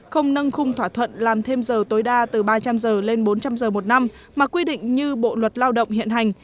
không nâng khung thỏa thuận làm thêm giờ tối đa từ ba trăm linh giờ lên bốn trăm linh giờ một năm mà quy định như bộ luật lao động hiện hành